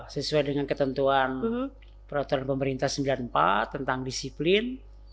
sesuai dengan ketentuan peraturan pemerintah sembilan puluh empat tentang disiplin